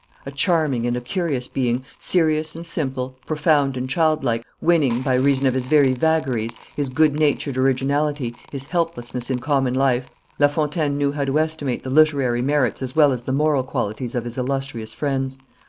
A charming and a curious being, serious and simple, profound and childlike, winning by reason of his very vagaries, his good natured originality, his helplessness in common life, La Fontaine knew how to estimate the literary merits as well as the moral qualities of his illustrious friends.